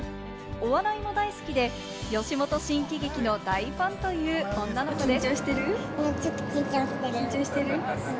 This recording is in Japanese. お笑いも大好きで、吉本新喜劇の大ファンという女の子です。